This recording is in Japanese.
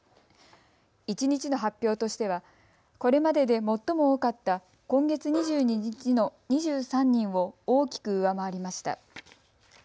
一日の発表としてはこれまでで最も多かった今月２２日の２３人を大きく上回りました。